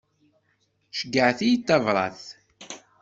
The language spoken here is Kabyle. Ceyyɛet-iyi-d tabrat.